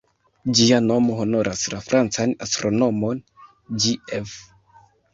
Ĝia nomo honoras la francan astronomon "J.-F.